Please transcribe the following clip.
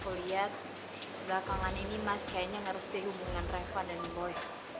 aku lihat belakangan ini mas kayaknya gak harus tinggal hubungan reva dan boy